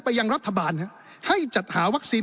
ยังรัฐบาลให้จัดหาวัคซีน